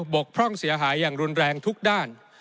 กพร่องเสียหายอย่างรุนแรงทุกด้าน